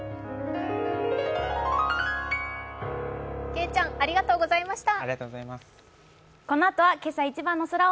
けいちゃんありがとうございました。